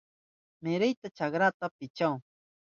Meryka chakranta pichahun.